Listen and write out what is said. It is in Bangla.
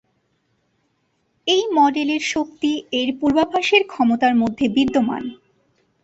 এই মডেলের শক্তি, এর পূর্বাভাসের ক্ষমতার মধ্যে বিদ্যমান।